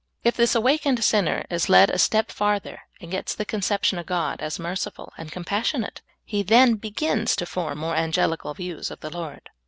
If this awakened sinner is led a step farther, and gets the conception of God as merciful and compas sionate, he then begins to form more angelical views of the lyord.